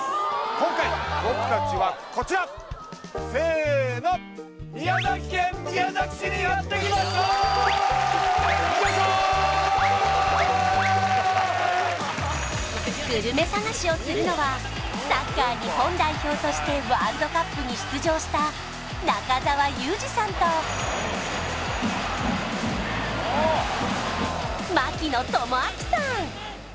今回僕たちはこちらせーのよいしょーグルメ探しをするのはサッカー日本代表としてワールドカップに出場した中澤佑二さんと槙野智章さん